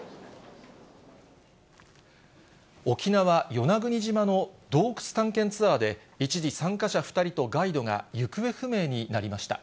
沖縄・与那国島の洞窟探検ツアーで、一時、参加者２人とガイドが行方不明になりました。